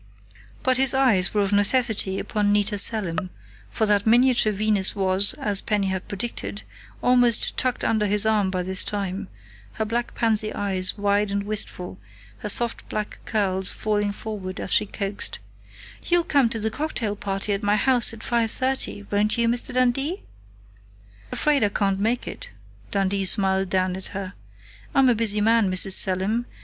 But his eyes were of necessity upon Nita Selim, for that miniature Venus was, as Penny had predicted, almost tucked under his arm by this time, her black pansy eyes wide and wistful, her soft black curls falling forward as she coaxed: "You'll come to the cocktail party at my house at 5:30, won't you, Mr. Dundee?" "Afraid I can't make it," Dundee smiled down at her. "I'm a busy man, Mrs. Selim....